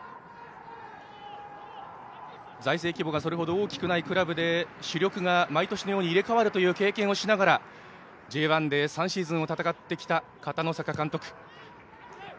財政規模がそれほど大きくないクラブで主力が毎年のように入れ替わるという経験をしながらＪ１で３シーズンを戦ってきた片野坂監督。